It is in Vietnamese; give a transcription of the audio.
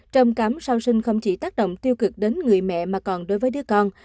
trầm cảm sau sinh không chỉ tác động tiêu cực đến người mẹ mà còn đối với đứa con